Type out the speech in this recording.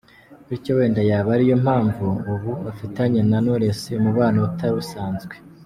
Bityo wenda yaba ari yo mpamvu ubu afitanye na Knowless umubano utari usanzwe .